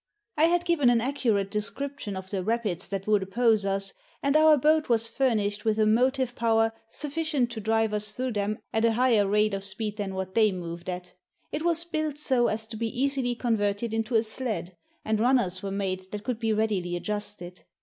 I had given an accurate description of the rapids that would oppose us, and our boat was furnished with a motive power sufficient to drive us through them at a higher rate of speed than what they moved at. It was built so as to be easily converted into a sled, and runners were made that could be readily adjusted.